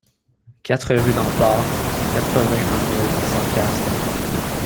quatre rue d'Empare, quatre-vingt-un mille cent Castres